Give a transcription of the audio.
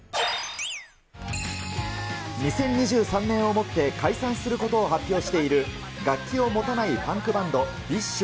２０２３年をもって解散することを発表している、楽器を持たないパンクバンド、ＢｉＳＨ。